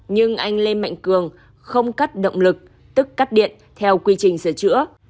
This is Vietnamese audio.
nhưng anh lê mạnh cường không cắt động lực tức cắt điện theo quy trình sửa chữa